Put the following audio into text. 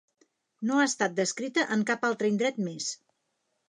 No ha estat descrita en cap altre indret més.